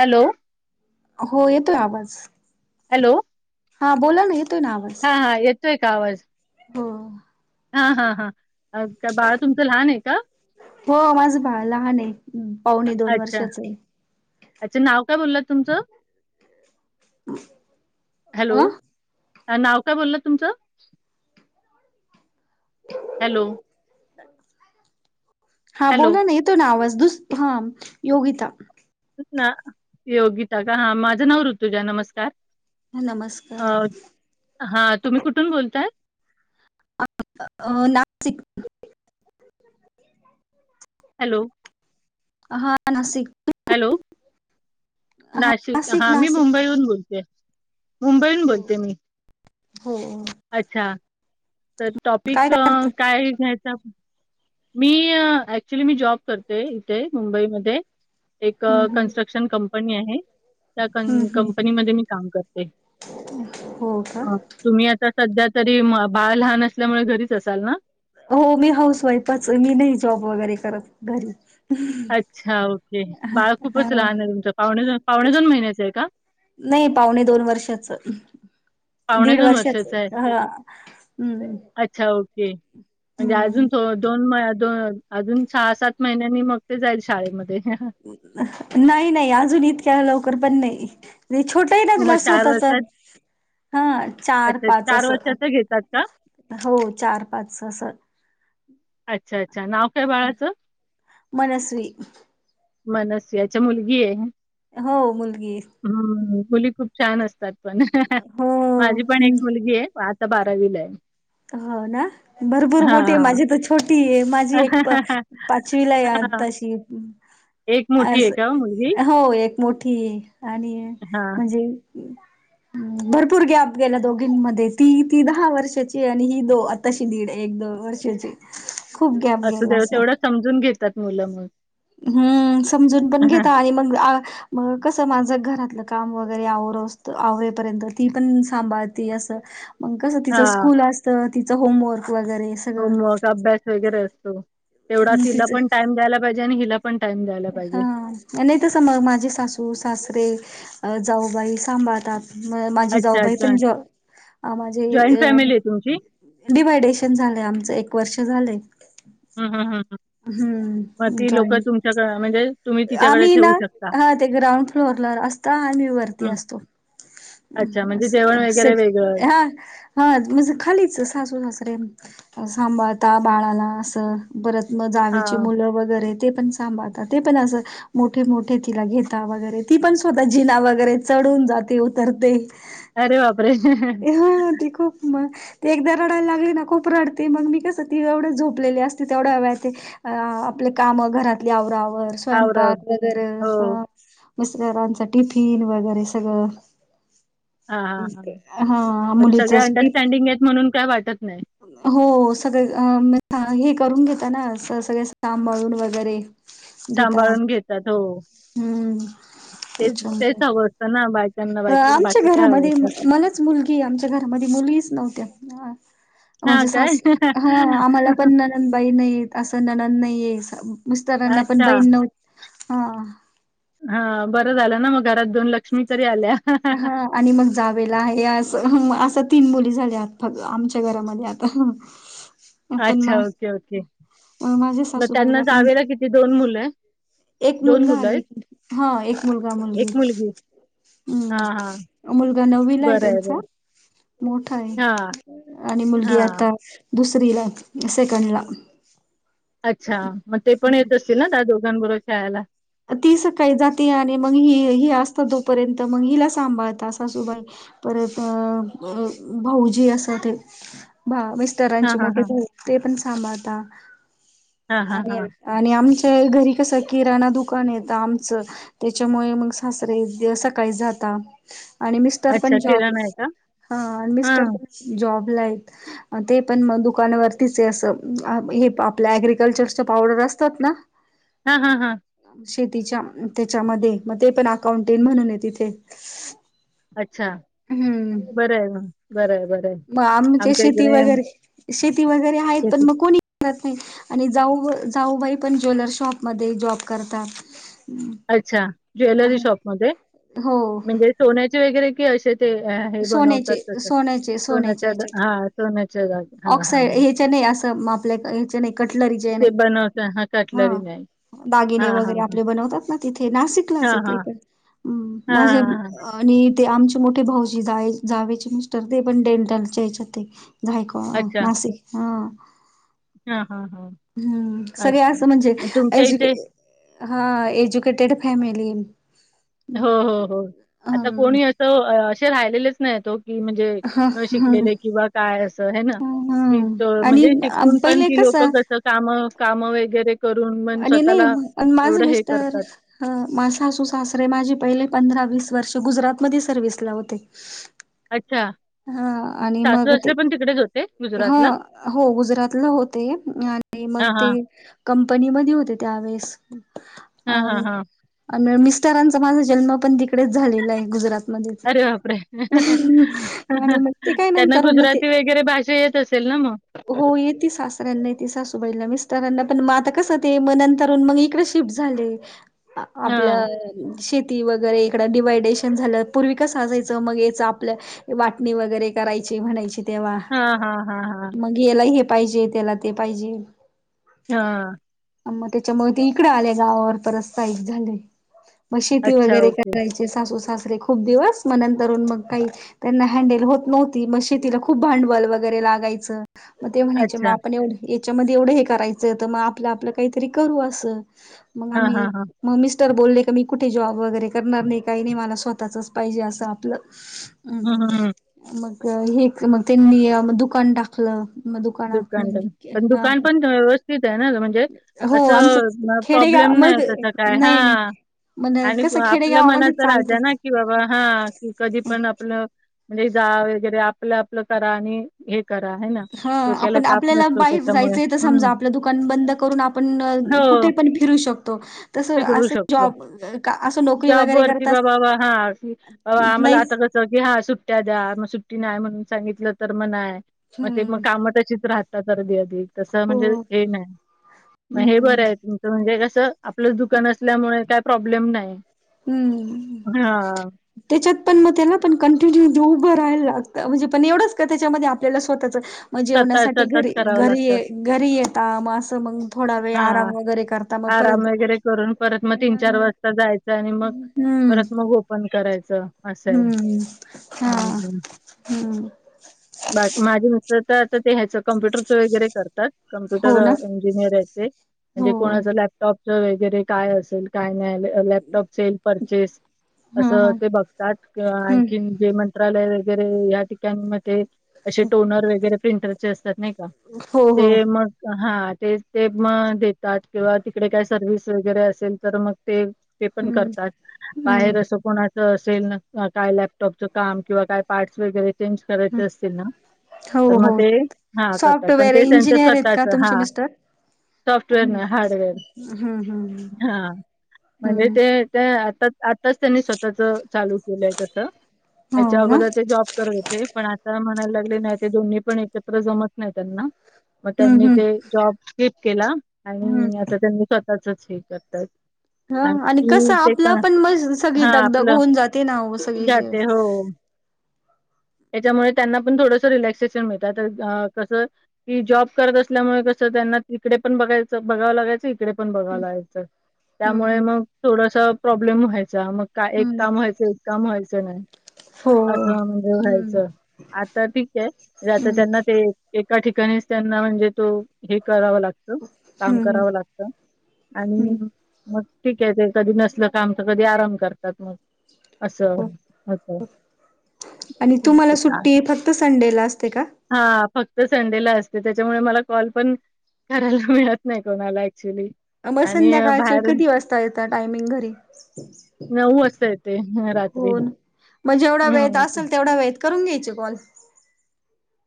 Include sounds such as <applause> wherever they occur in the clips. Hello. हो येतोय आवाज. हॅलो. हा बोला ना येतोय ना आवाज हा हा येतोय का आवाज ह. हा हा हा बाळा तुमचं लहान आहे का. हो माझं बाळ लहान आहे पाहुणे दोन वर्षाच आहे. अच्छ नाव काय बोलला तुमचं हॅलो. अ नाव काय बोललं तुमचं. हॅलो. हा हॅलो बोला ना तो नावज दुस ह योगिता. ना योगिता का हा माझं नाव ऋतुजा नमस्कार. ह अ, नमस्कार. हा तुम्ही कुठून बोलताय. अं नाशिक वरून. हॅलो. हा नासिक वरून. हॅलो नाशिक हा मी मुंबईहून बोलते. मुंबईहून बोलते मी. हो हो. अच्छा तर टॉपिक काय घ्यायचं. मी ऍक्च्युली मी जॉब करते इथे मुंबईमध्ये. एक हम्म हम्म कन्स्ट्रक्शन कंपनी आहे. त्या हम्म हम्म कंपनीमध्ये मी काम करते. हो का. हं. तुम्ही आता सध्या तरी बाळ लहान असल्यामुळे घरीच असाल ना. हो मी हाऊस वाईफच मी नाही जॉब वगैरे करत घरीच. अच्छा ओके बाळ हा खूपच लहान आहे तुमचं पावणे पावणे दोन महिन्याच आहे का. नाही पाहणे दोन वर्षाचं. पावणे दीड वर्षाच वर्षाचं आहे. ह हम्. अच्छा, ओके. म्हणजे अजून थो दोन म दोन अजून सहा सात महिन्यांनी मग ते जाईल शाळेमध्ये. नाही नाही अजून इतक्या लवकर पण नाही. नाही छोटं आहे ना मग तिला स्वतःचा. वर्षात हा चार अच्छा पाच अस वर्षाचं घेतात का? हो चार पाच असं. अच्छा अच्छा नाव काय बाळाचं. मनस्वी मनस याच्या मुलगी आहे. हो मुलगी हाय. हम् मुली खूप छान असतात पण हो माझी पण एक हम्म मुलगी आहे पाच. बारावीला आहे. हो ना भरपूर मोठे हां. माझी तर छोटी आहे माझी एक प पाचवीला या हां. तशी एक मोठी अस आहे का हो मुलगी? हो एक मोठी आणि हां. म्हणजे भरपूर गॅप गेल्या दोघीं म ती ती दहा वर्षाची आणि ही दो आताशी दीड एक दोन वर्षाची खूप गॅप असू गेला देव असा तेवढं समजून घेतात मुलं म हम्म समजून पण घेता आणि मग मग कसं माझं घरातलं काम वगैरे आवर असत आवरपर्यंत ती पण सांभाळते असं. मग कसं तिचं हां. स्कूल असतं तिचं होमवर्क वगैरे सगळं होमवर्क अभ्यास वगैरे असतो तेवढा मग तिला तिचं पण टाइम द्यायला पाहिजे आणि हिला पण टाइम द्यायला. पाहिजे. हा नाही तसं मग माझे सासू सासरे जाऊबाई सांभाळतात. म माझी अच्छा जाऊबाई पण जॉईंट जॉब माझे जॉईंट फॅमिली आहे तुमची? डिव्हायडेशन झालंय आमचं एक वर्ष झालंय. हा हा हा हा मग हम्म ती लोक जॉईन तुमच्याकड म्हणजे तुम्ही तिच्याकडे आम्ही ना ठेवू शकता. हा ते ग्राउंड फ्लोअरला असता आम्ही वरती हं. असतो. अच्छा म्हणजे जेवण वगैरे वेगळं. हा. हा म्हणजे खालीच सासू सासरे सांभाळता बाळाला असं. परत मग जावेची हां. मुलं वगैरे ते पण सांभाळतात ते पण असं. मोठे मोठे तिला घेता वगैरे ती पण स्वतः जिना वगैरे चढून जाते उतरते. अरे बापरे. ह देख म ते एकदा रडायला लागली ना खूप रडते मग मी कसं ती एवढं झोपलेली असते तेवढ्या वेळात अ आपले काम घरातली आवरावर आवर-आवर. स्वयंपाक वगैरे हो, हो. मिस्टरांच टिफिन वगैरे सगळं. हा हा हा हा पण मुलीच सगळे टिफिन अंडरस्टँडिंग आहेत म्हणून काय वाटत नाही. हो सगळ हे करून घेताना सगळे सांभळून वगैरे घेता सांभाळून घेतात हो हम्म ते तेच त्याच्यामुळे अवस्थ ना बा. अ आमच्या घरामध्ये मलाच मुलगी आमच्या घरामध्ये मुलीच नव्हत्या. हां म्हणजे स काय? हा आम्हाला पण ण बहीणेत असं नन नाहीय मिस्तारांना पण अच्छा. बहीण नव्हत हा. हा बरं झालं ना मग घरात दोन लक्ष्मी तरी आल्या. हा. आणि मग जावेला आहे अस असं तीन मुली झाल्या फ आमच्या घरामध्ये आता पण अच्छा मग ओके ओके माझ्या मग त्यांना सासूबाईला पण जावेला किती दोन मुलं आहेत. एक मुलगा मुलं आहे हा एक मुलगा मुलगी हां, हां. हम्म मुलगा नवीला आहे बरं त्यांचा बरं. मोठा हां, आहे आणि मुलगी हां. आता दुसरीला सेकंडला अच्छा मग ते पण येत असतील ना त्या दोघांबरोबर खेळायला ती सकाळी जाते आणि मग ही ह असत तोपर्यंत मग हिला सांभाळत सासूबाई परत अ भाऊजी अस ते हां, तरांचे हां, मोठे हां. भाव ते पण सांभाळता हां, हां, आणि हां. आणि आमच्या घरी कसं किराणा दुख दुकान येत आमचं त्याच्यामुळे मग सासरे सकाळी जाता आणि मिस्टर अच्छा पण जॉब किराणा आहे का? ह आणि मिस्टर हां. पण जॉबला आहेत. ते पण म दुकानावरतीच असं हे आपल्या अग्रिकल्चरचा पावडर असतात ना. हां हां हां. शेतीच्या त्याच्यामध्ये मग ते पण अकाउंटेंट म्हणून आहे तिथे अच्छा हम्म बर आहे बर आहे बर. मग आमच्या शेती वगैरे शेती वगैरे आहेत पण शेती मग कोणी नाही आणि जाऊ जाऊबाई पण ज्वेलर शॉपमध्ये जॉब करतात. <unintelligible> अच्छा ज्वेलरी शॉपमध्ये हो म्हणजे सोन्याचे वगैरे कि असे ते हे बनवतात सोन्याचे तस सोन्याचे सोनच्या हा सोन्याचे घाल ऑक्साइड ह्याच्या नय असं मं आपल्या ह्याच्या नाय कटलरीचे ते नाय बनवता हां, हा कटलरी नाही. दागिने हां, हां, वगैरे हां. आपले बनवतात. म तिथे नाशिकलाच हां, ते हां. पण अं हां, माझे हां, हां. आणि ते आमचे मोठे भाऊजी जा जावेचे मिस्टर ते पण डेंटलच्या याच्या जाय ह अच्छा. नाशिक हा हां, हां, हां. हम्म सगळे अच्छा. असं म्हणजे मग तुमच्या एजु इथे हा एज्युकेटेड फॅमिली हो हो हो आता हम्म कोणी असं असे राहिलेलेच नाही तो की म्हणजे जे ह नं ह शिकलेलं किंवा काय असं हे ना ह तीच आणि म्हणजे शिकून पण पहिले ती लोक कसं कस काम काम वगैरे करून मण स्वतःला एवढं हे करतात. हं मा सासू सासरे माझी पहिले पंधरा वीस वर्ष गुजरात मध्ये सर्विसला होते. अच्छा हा आणि सासू मग ते सासरे पण तिकडेच होते हा गुजरातला. हो गुजरातला होते आणि हां, मग ते हां. कंपनीमध्ये होते त्यावेेळेस हा हा आणि हा आणि मिस्टरांचा माझा जन्म पण तिकडेच झालेला आहे गुजरात मध्येचं अरे बापरे! म्हणूनच ते काय त्यांना नंतर हें ना ते गुजराती वगैरे भाषा येत असेल ना मग? हो येत सास नणंद बाईला येते सासूबाईला मिस्टरांना पण म आता कसं ते मंतरून मग इकडे शिफ्ट झाले. हा हां. आपलं शेती वगैरे इकडं डिवायडेशन झालं पूर्वी कसं असायचं मग याच आपलं वाटणी वगैरे करायची म्हणायची तेव्हा हा हा हा हा मंग याला हे पाहिजे त्याला ते पाहिजे हा. आणि मग त्याच्यामुळे ते इकडे आले गावावर पर स्थायिक झाले मग शेती अच्छा, वगैरे ओके. करायची ते सासू सासरे खूप दिवस मग तरुण मग काही त्यांना हँडल होत नव्हती मग शेतीला खूप भांडवल वगैरे लागायचं मग ते म्हणायचे म अच्छा. आपण एवढं याच्यामध्ये एवढं हे करायचं त म आपलं आपलं काहीतरी करू असं मंग हां, आम्ही हां, हां. मग मिस्टर बोलले की मी कुठे जॉब वगैरे करणार नाही काय नाही मला स्वतःचच पाहिजे असं आपलं अ हं, हं, हं. मग एक मग त्यांनी दुकान टाकलं. मग दुकानात दुकान पण हा दुकान पण व्यवस्थित आहे असं म्हणं जे हो अस आमचं मं खेडेगाव प्रॉब्लेम नाय मग त्याचा काय हा नाही नाही मण आणि कसं आपलं खेडेगावामध्ये मनाचं चालतं राजा ना की बाबा हा की कधी पण आपलं म्हणजे जा वगैरे आपलं आपलं करा आणि हे करा हाय ना हा डोक्याला आपण ताप आपल्याला नसतो बाहेर त्याच्यामुळे. जायचंय तर हं. समजा आपलं दुकान बंद करून आपण कुठे हो, पण फिरू शक तो तस स्वीकारू अस शकतो. जॉब अस नोकरी वगैरे जॉबवरती करता अस बाबा नाहीच हा सुट्टया द्या मग सुट्टी नाय म्हणून सांगितलं तर म नाय ते मग हम्म काम तशीच राहतात अर्धदी अधी तसं हो म्हणजे हे नाय म हे हम्म बरं आहे तुम त म्हणजे कसं आपलंच दुकान असल्यामुळे काय प्रॉब्लेम नाय. हम्म हम्म हम्म त्याच्यात पण मग त्याला पण कंटिन्यू उभं राहायला लागत म्हणजे पण एवढंच का त्याच्यामध्ये आपल्याला स्वतःच म स्वतः जेवण्यासाठी स्वतःच घरी करावं घरी ये लागतं. घरी येता मग असं मग थोडा वेळ आराम हां. वगैरे कर आराम वगैरे करून परत मग तीन, चार वाज सता जायचं आणि मग परत मग ओपन करायचं. असंय. हम्म हा हं. हं. हम्म बाकी माझे मित्र तर आता ते ह्याचं कम्प्युटरच वगैरे कर त्यात. कप्युटर हो ना इंजिनियर हायते हो म्हणजे कोणाचा लॅप टॉपच वगैरे काय असेल काय नाही. लॅपटॉप सेल परचेस - - हा असं हा ते बघतात. हम्म आणखीन जे मंत्रालय वगैरे या ठिकाणमते असे टोनर वगैरे प्रिंटरचे असतात नाई का हो हो ते मग हा ते - - ते मग देतात किंवा तिकडे काय सर्व्हस वगैरे असेल तर मग ते - - ते पण हम्म करतात. हम्म बाहेर असं कोणाच असेल काय लॅपटॉपच काम किंवा काही पार्टस वगैरे चेंज करायचे हम्म असतील ना - - हो तर मग हो ते हा करतात. पण सॉफ्टवेअर ते त्यांच इंजिनियर आहेत का स्वतःच ह. तुमचे मिस्टर सॉफ्टवेअर हम्म नाही. हार्डवेअर हम्म हम्म हा. म्हणजे हम्म ते हेच्या आता - - आताच त्यांनी स्वतःच चालू केलंय तसं हेच्या हो ना अगोदर ते जॉब करते पण आता म्हणायला लागले. नाही ते दोन्ही पण एकत्र जमत नाही त्यांना. मग हम्म त्यांनी हम्म ते जॉब स्किप केला हम्म आणि आता त्यांनी स्वतःचच हे करतात. ह कसं आणि ते क आपलं पण मग सगळी हा दगदग आपलं, होऊन जाते ना हो सगळी शे जाते हो. हम्म त्याच्यामुळे त्यांना पण थोडस रिलॅक्सेशन मिळत आता हं कसं की जॉब करत असल्यामुळे कसं त्यांना तिकडे पण बघायचं बघावं लागायचं. इकडे - - ण बघाव लागायचं त्यामुळे हम्म मग थोडसा प्रॉब्लेम व्हायचा. मग का एक हम्म काम व्हायचं. एक काम व्हायचं नाही. हो असं म्हणजे हम्म व्हायचं. आता ठीकाय. म्हणजे आता हम्म त्यांना ते एका ठिकाणीच त्यांना म्हणजे तो हे करावा लागतो. काम हम्म करावं लागत आणि हम्म मग ठीक हाए ते कधी नसलं काम तर कधी आराम करतात मग. असं हो. होतं. हो. आणि तुम्हाला सुट्टी फक्त संडेला असते का? हा. फक्त संडेला असते. त्याच्यामुळे मला कॉल पण करायला मिळत नाही कोणाला ऍक्च्युली. मग आणि अ, संध्याकाळचे बाहेर किती वाजता येता टायमिंग घरी? ते हं रात्री. हो ना मग जेवढा वेेळेत हम्म असेल तेवढा वेळेत करून घ्यायचे कॉल.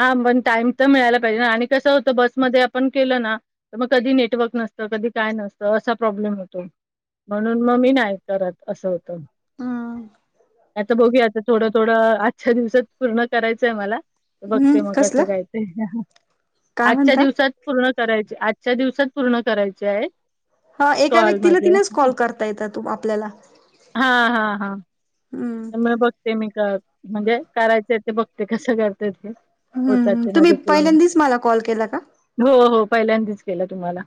हा पण टाइम तर मिळायला पाहिजे ना. आणि कसं होतं बसमध्ये आपण केलं ना - - मग कधी नेटवर्क नसतं. कधी काय नसतं. असा प्रॉब्लेम होतो. म्हणून मग मी नाही करत. असं होतं. हम्म आता बघूया आता थोडं थोडं आजच्या दिवसात पूर्ण करायचंय मला. बघते मग कसलं कसं काय ते. काय आजच्या म्हणता? दिवसात - - पूर्ण करायची. आजच्या दिवसात पूर्ण करायचे आहे. हा एका व्यक्तीला तिनच कॉल करता येतात तू आपल्याला. हा. हा. हा. हम्म <unintelligible> ते मी क म्हणजे करायचे ते बघते कसं करता ते. ह्. होतात हं. ते तुम्ही माझे पूर्ण पहिल्यांदीच मला कॉल केला का? हो. हो. पहिल्यांदीच केला तुम्हाला.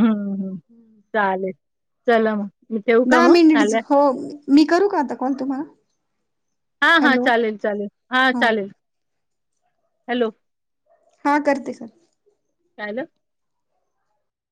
हम्, हम्, चालेल. चला मग. मी ठेऊ का दहा मग. झाल्या हो. मी करू का आता कॉल तुम्हाला? हा. हा. हॅलो चालेल, चालेल. हा, हो चालेल. हॅलो. हा. करते करते. कायलं?